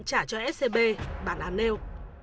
trả cho scb bản án nêu